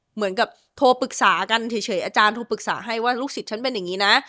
เหมือนกับโทรปรึกษากันเฉยอาจารย์โทรปรึกษาให้ว่าลูกศิษย์ฉันเป็นอย่างนี้นะ